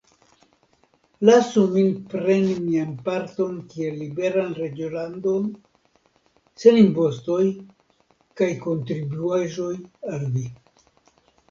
Lasu min preni mian parton kiel liberan reĝolandon, sen impostoj kaj kontribuaĵoj al vi.